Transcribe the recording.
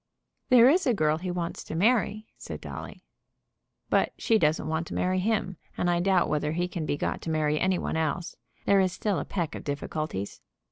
"There is a girl he wants to marry," said Dolly. "But she doesn't want to marry him, and I doubt whether he can be got to marry any one else. There is still a peck of difficulties."